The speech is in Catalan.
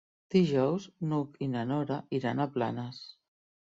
Dijous n'Hug i na Nora iran a Planes.